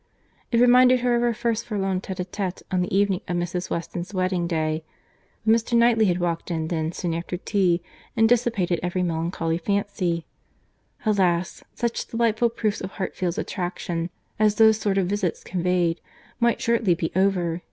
It reminded her of their first forlorn tête à tête, on the evening of Mrs. Weston's wedding day; but Mr. Knightley had walked in then, soon after tea, and dissipated every melancholy fancy. Alas! such delightful proofs of Hartfield's attraction, as those sort of visits conveyed, might shortly be over.